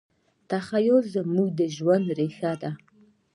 تخیل زموږ د ژوند ریښه ده.